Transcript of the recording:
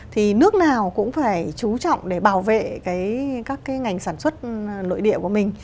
thì nước nào cũng phải chú trọng để bảo vệ các cái ngành sản xuất nội địa của mình